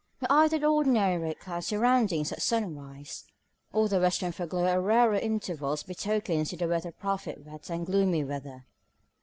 But either the ordinary red cloud surroundings at sunrise, or the western foreglow at rarer intervals, betokens to the weather prophet wet and gloomy weather.